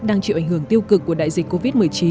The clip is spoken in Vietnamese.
đang chịu ảnh hưởng tiêu cực của đại dịch covid một mươi chín